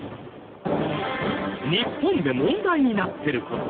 日本で問題になってる事